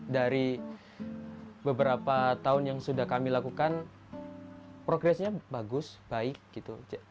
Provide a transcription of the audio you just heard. dari beberapa tahun yang sudah kami lakukan progresnya bagus baik gitu